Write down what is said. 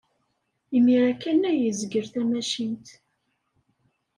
Imir-a kan ay yezgel tamacint.